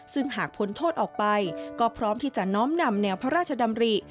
ซึ่งหากพ้นโทษออกไปก็พร้อมที่จะน้อมนำแนวพระราชดำริ